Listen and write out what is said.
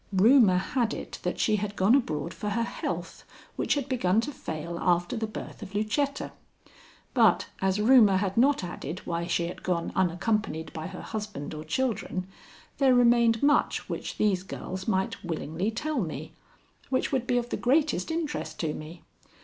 Rumor had it that she had gone abroad for her health which had begun to fail after the birth of Lucetta; but as Rumor had not added why she had gone unaccompanied by her husband or children, there remained much which these girls might willingly tell me, which would be of the greatest interest to me.